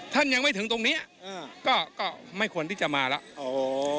ท่านยังไม่ถึงตรงเนี้ยอ่าก็ไม่ควรที่จะมาแล้ว